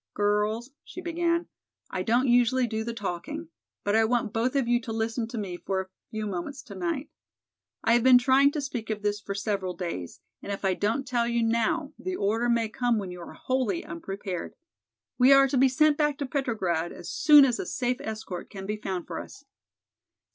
"Girls," she began, "I don't usually do the talking, but I want both of you to listen to me for a few moments tonight. I have been trying to speak of this for several days, and if I don't tell you now the order may come when you are wholly unprepared. We are to be sent back to Petrograd as soon as a safe escort can be found for us."